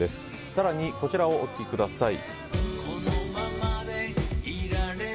更にこちらをお聴きください。